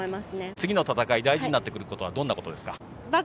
次の戦い大事になってくることはどんなことですか？